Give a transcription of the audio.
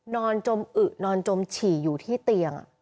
จมอึนอนจมฉี่อยู่ที่เตียง